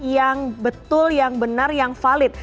yang betul yang benar yang valid